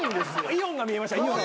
イオンが見えました。